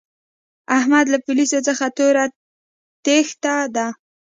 احمد له پوليسو څخه توره تېښته ده.